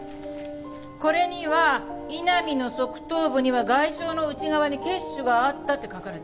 これには井波の側頭部には外傷の内側に血腫があったって書かれてる。